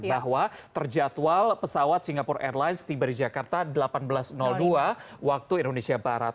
bahwa terjadwal pesawat singapura airlines tiba di jakarta delapan belas dua waktu indonesia barat